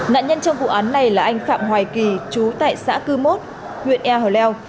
nạn nhân trong vụ án này là anh phạm hoài kỳ chú tại xã cư mốt huyện ea hở leo